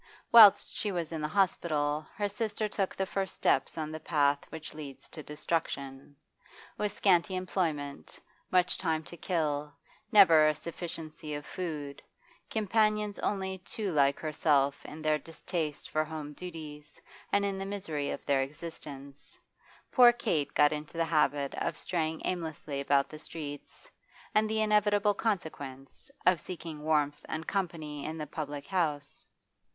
Whilst she was in the hospital her sister took the first steps on the path which leads to destruction; with scanty employment, much time to kill, never a sufficiency of food, companions only too like herself in their distaste for home duties and in the misery of their existence, poor Kate got into the habit of straying aimlessly about the streets, and, the inevitable consequence, of seeking warmth and company in the public house.